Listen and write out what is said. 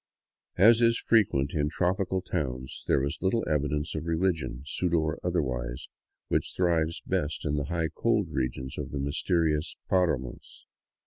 As is frequent in tropical towns, there was little evidence of religion, pseudo or otherwise, which thrives best in the high, cold regions of the mysterious paramos.